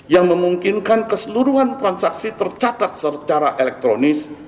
yang memungkinkan keseluruhan transaksi tercatat secara elektronik